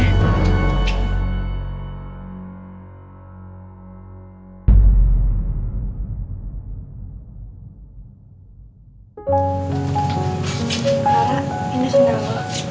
farah ini sandal lo